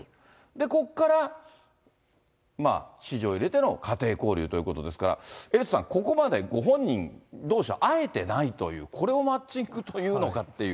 ここからまあ、子女を入れての家庭交流ということですから、エイトさん、ここまでご本人どうしは会えてないという、これをマッチングというのかという。